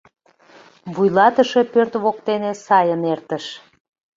Вуйлатыше пӧрт воктене сайын эртыш.